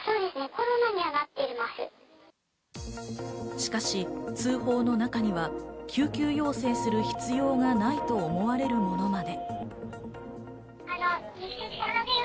しかし通報の中には救急要請する必要がないと思われるものまで。